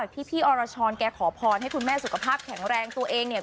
ที่พี่อรชรแกขอพรให้คุณแม่สุขภาพแข็งแรงตัวเองเนี่ย